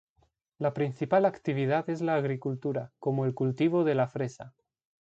La principal actividad es la agricultura, como el cultivo de la fresa.